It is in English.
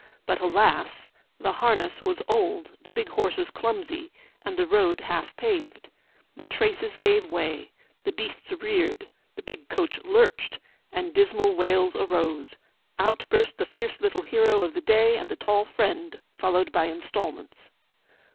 But alas! the harness was old, the big horses clumsy, and the road half paved. The traces gave way, the beasts reared, the big coach lurched, and dismal wails arose. Out burst the fierce little hero of the day, and the tall friend followed by instalments.